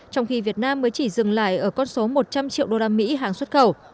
trong khi việt nam mới chỉ dừng lại ở con số một trăm linh triệu usd hàng xuất khẩu